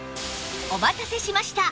お待たせしました！